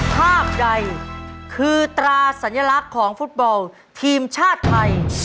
ภาพใดคือตราสัญลักษณ์ของฟุตบอลทีมชาติไทย